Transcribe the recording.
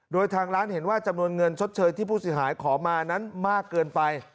โดยทางร้านเห็นว่าจำนวนเงินชดเชยที่ผู้เสียหายขอมานั้นมากเกินไป